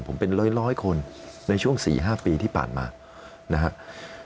ผมเป็นร้อยคนในช่วง๔๕ปีที่ผ่านมานะครับ